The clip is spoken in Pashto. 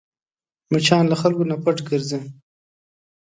مچان له خلکو نه پټ ګرځي